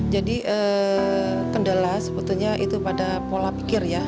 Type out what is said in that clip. kendala sebetulnya itu pada pola pikir ya